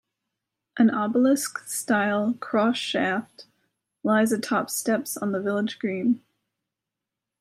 An obelisk-style cross shaft lies atop steps on the village green.